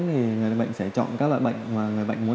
thì người bệnh sẽ chọn các loại bệnh mà người bệnh muốn